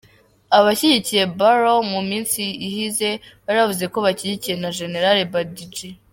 Abashigikiye Barrow mu misi iheze bari bavuze ko bashigikiwe na Gen Badjie.